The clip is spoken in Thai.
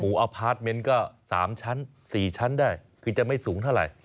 อพาร์ทเมนต์ก็๓ชั้น๔ชั้นได้คือจะไม่สูงเท่าไหร่